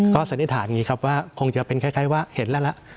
ก็สันนิษฐานอย่างนี้ครับว่าคงจะเป็นคล้ายว่าเห็นแล้วล่ะ